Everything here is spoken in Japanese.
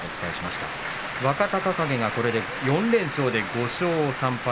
若隆景が４連勝で５勝３敗。